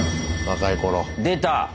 若い頃。出た。